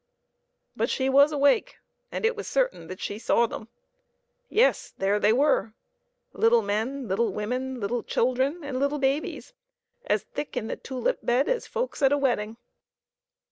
But she was awake, and it was certain that she saw them. Yes ; there they were little men, little women, little children, and little babies, as thick in the tulip bed as folks at a wedding.